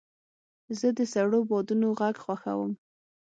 زه د سړو بادونو غږ خوښوم.